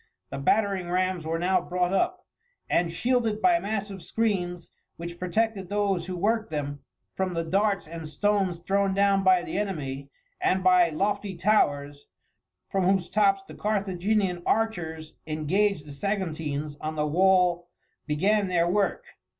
The battering rams were now brought up, and shielded by massive screens, which protected those who worked them from the darts and stones thrown down by the enemy, and by lofty towers, from whose tops the Carthaginian archers engaged the Saguntines on the wall began their work.